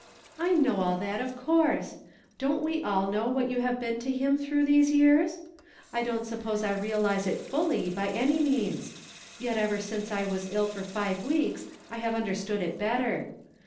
"I know all that, of coui se. Don't we all know what you have been to him through these years ? I don't suppose I realize it fully, by any means ; but ever since I was ill for five weeks I have understood it better.